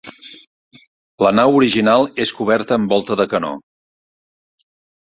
La nau original és coberta amb volta de canó.